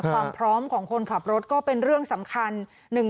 ความพร้อมของคนขับรถก็เป็นเรื่องสำคัญ